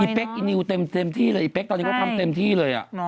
เป๊กอีนิวเต็มที่เลยอีเป๊กตอนนี้ก็ทำเต็มที่เลย